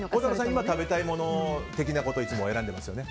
今食べたいもの的なことをいつも選んでいますよね。